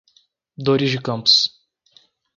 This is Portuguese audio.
Dores de Campos